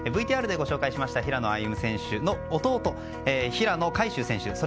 ＶＴＲでご紹介しました平野歩夢選手の弟平野海祝選手。